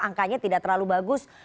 angkanya tidak terlalu bagus